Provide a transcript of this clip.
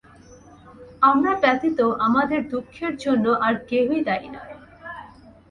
আমরা ব্যতীত আমাদের দুঃখের জন্য আর কেহই দায়ী নয়।